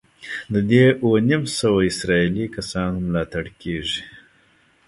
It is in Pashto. د دې اووه نیم سوه اسرائیلي کسانو ملاتړ کېږي.